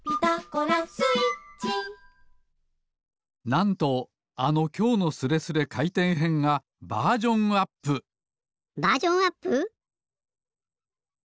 なんとあの「きょうのスレスレかいてんへん」がバージョンアップバージョンアップ！？